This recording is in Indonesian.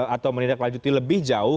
atau menindaklanjuti lebih jauh